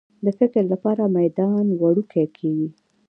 د فکر لپاره میدان وړوکی کېږي.